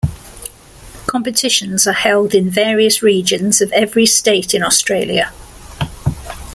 Competitions are held in various regions of every state in Australia.